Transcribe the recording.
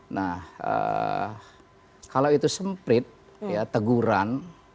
nah kalau itu semprit ya teguran